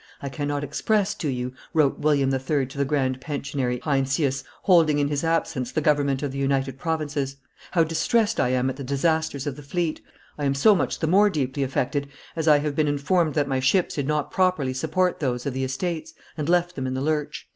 "I cannot express to you," wrote William III. to the grand pensionary Heinsius, holding in his absence the government of the United Provinces, "how distressed I am at the disasters of the fleet; I am so much the more deeply affected as I have been informed that my ships did not properly support those of the Estates, and left them in the lurch."